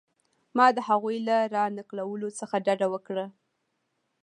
ما د هغوی له را نقلولو څخه ډډه وکړه.